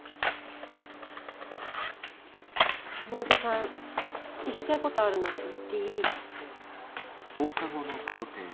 あのおじさん言いたいことあるなら言っていいって。